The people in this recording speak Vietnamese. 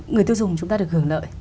người tiêu dùng chúng ta được hưởng lợi